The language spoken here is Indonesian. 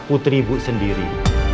putri ibu sendiri